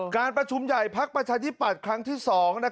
การประชุมใหญ่พักประชาธิปัตย์ครั้งที่๒